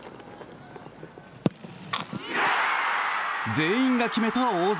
全員が決めた大津。